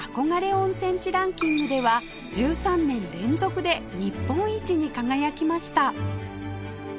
温泉地ランキングでは１３年連続で日本一に輝きました